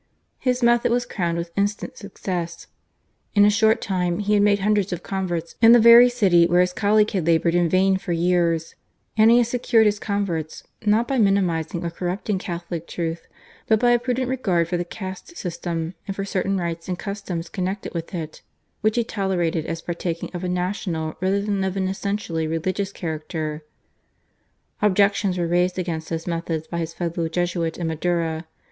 His method was crowned with instant success. In a short time he had made hundreds of converts in the very city where his colleague had laboured in vain for years; and he had secured his converts, not by minimising or corrupting Catholic truth, but by a prudent regard for the caste system and for certain rites and customs connected with it, which he tolerated as partaking of a national rather than of an essentially religious character. Objections were raised against his methods by his fellow Jesuit in Madura.